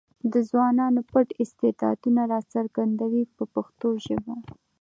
د ځوانانو پټ استعدادونه راڅرګندوي په پښتو ژبه.